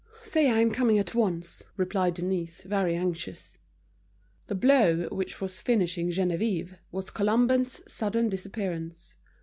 "Say I am coming at once," replied Denise, very anxious. The blow which was finishing Geneviève was Colomban's sudden disappearance.